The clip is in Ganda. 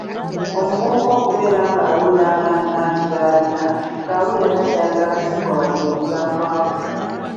Omuvubuka okubeera ng'awulira amaanyi mangi galina, ng'awulira takyayagala kufugwa wadde okugambwako.